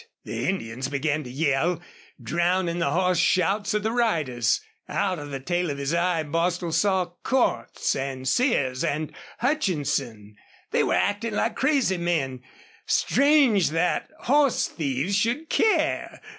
The Indians began to yell, drowning the hoarse shouts of the riders. Out of the tail of his eye Bostil saw Cordts and Sears and Hutchinson. They were acting like crazy men. Strange that horse thieves should care!